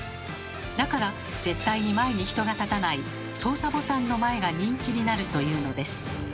だから絶対に前に人が立たない操作ボタンの前が人気になるというのです。